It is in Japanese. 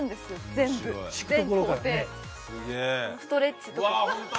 全部全行程ストレッチとか。